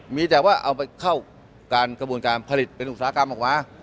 มีแต่ว่าเอาไปเข้าการกระบวนการผลิตเป็นอุตสาหกรรมออกมา